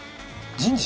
人事？